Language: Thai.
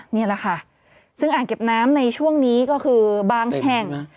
นี่แหละค่ะซึ่งอ่างเก็บน้ำในช่วงนี้ก็คือบางแห่ง